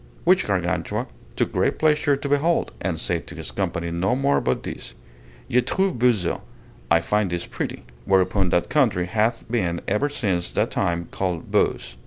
Which Gargantua took great pleasure to behold, and said to his company no more but this: Je trouve beau ce (I find this pretty); whereupon that country hath been ever since that time called Beauce.